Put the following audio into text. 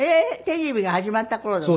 テレビが始まった頃の。